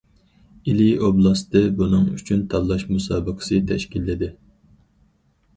ئىلى ئوبلاستى بۇنىڭ ئۈچۈن تاللاش مۇسابىقىسى تەشكىللىدى.